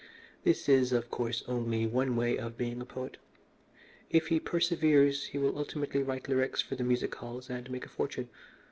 This is, of course, only one way of being a poet. If he perseveres he will ultimately write lyrics for the music halls and make a fortune.